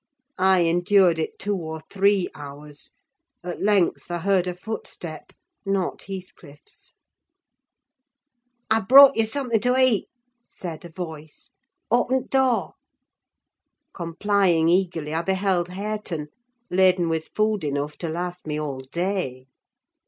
I endured it two or three hours; at length, I heard a footstep: not Heathcliff's. "I've brought you something to eat," said a voice; "oppen t' door!" Complying eagerly, I beheld Hareton, laden with food enough to last me all day.